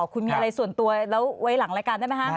คุณมีอะไรส่วนตัวแล้วไว้หลังรายการได้ไหมคะ